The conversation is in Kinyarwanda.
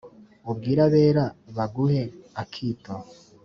ubwire abera baguhe akito